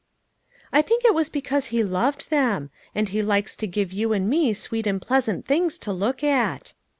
" I think it was because He loved them ; and He likes to give you and me sweet and pleasant things to look at."